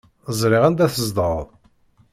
Ẓriɣ anda tzedɣeḍ.